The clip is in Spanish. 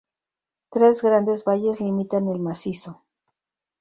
Tres grandes valles limitan el macizo.